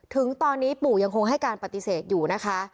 ถึงตอนนี้ปู่ยังคงให้การปฏิเสธอยู่นะคะ